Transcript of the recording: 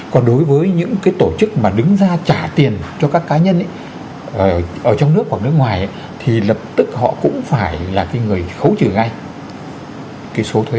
còn đối với những cái tổ chức mà đứng ra trả tiền cho các cá nhân ở trong nước hoặc nước ngoài thì lập tức họ cũng phải là cái người khấu trừ ngay cái số thuế